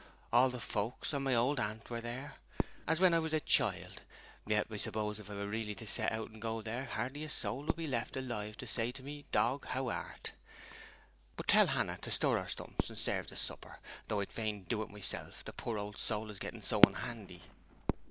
All the folks and my old aunt were there, as when I was a child, yet I suppose if I were really to set out and go there, hardly a soul would be left alive to say to me, dog how art! But tell Hannah to stir her stumps and serve supper though I'd fain do it myself, the poor old soul is getting so unhandy!'